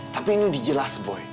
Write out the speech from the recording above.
tapi ini udah jelas boy